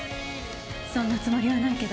そんなつもりはないけど。